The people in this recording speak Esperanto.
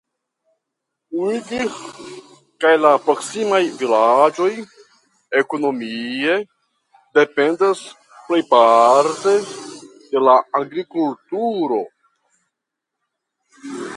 Udgir kaj la proksimaj vilaĝoj ekonomie dependas plejparte de la agrikulturo.